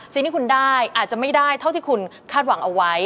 สิ่งที่คุณได้อาจจะไม่ได้เท่าที่คุณคาดหวังเอาไว้